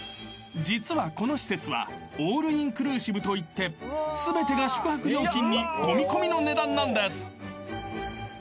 ［実はこの施設はオールインクルーシブといって全てが宿泊料金に込み込みの値段なんです］